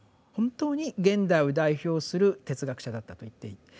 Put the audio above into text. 本当に現代を代表する哲学者だったと言っていい。